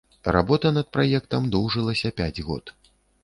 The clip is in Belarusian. Работа над праектам доўжылася пяць год.